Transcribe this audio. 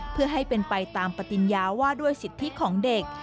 เพื่อให้เป็นไปตามปฏิญญาว่าด้วยสิทธิของเด็ก